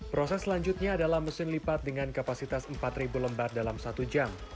proses selanjutnya adalah mesin lipat dengan kapasitas empat lembar dalam satu jam